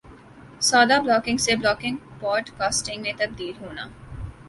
سادہ بلاگنگ سے blogging podcasting میں تبدیل ہونا